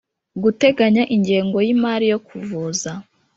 Guteganya ingengo y imari yo kuvuza